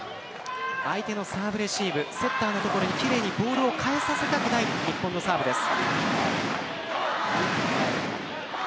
相手のサーブレシーブセッターのところに奇麗にボールを返させたくない日本のサーブです。